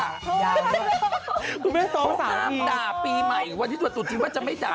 ไม่ต้องซูม๓ทีหรอผมว่าหลาบต่าปีใหม่วันที่ตัวหาตัวจริงว่าจะไม่ต่า